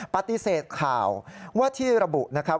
ปฏิเสธข่าวว่าที่ระบุนะครับ